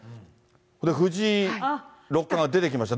藤井六冠が出てきました。